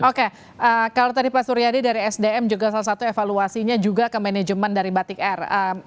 oke kalau tadi pak suryadi dari sdm juga salah satu evaluasinya juga ke manajemen dari batik air